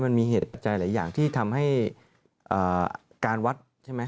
มันมีเหตุใจหลายอย่างที่ทำให้การวัดใช่ไหม